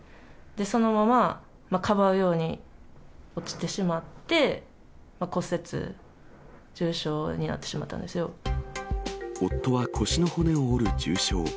そのまま、かばうように落ちてしまって、骨折、夫は腰の骨を折る重傷。